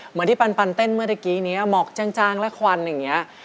เหมือนที่ปันเต้นเมื่อตะกี้เนี่ยหมอกจางและควันอย่างนี้